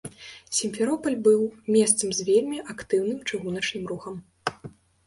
Сімферопаль быў месцам з вельмі актыўным чыгуначным рухам.